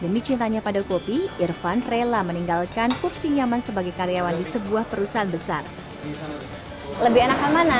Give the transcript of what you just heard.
misalnya kayak orang lihat mungkin nggak confined to certain rules gitu nggak juga